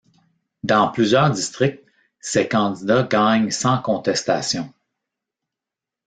Dans plusieurs districts, ses candidats gagnent sans contestation.